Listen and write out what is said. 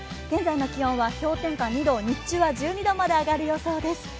現在の気温は氷点下２度日中は１２度まで上がる予想です。